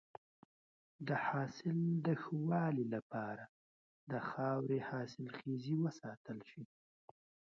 د حاصل د ښه والي لپاره د خاورې حاصلخیزی وساتل شي.